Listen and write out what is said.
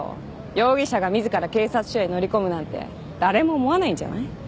容疑者が自ら警察署へ乗り込むなんて誰も思わないんじゃない？